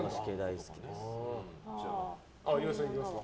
岩井さん、いきますか。